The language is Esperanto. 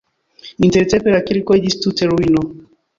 Intertempe la kirko iĝis tute ruino.